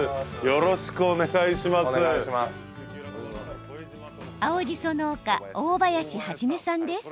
よろしくお願いします。